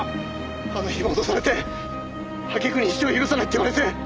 あの日も脅されて揚げ句に一生許さないって言われて。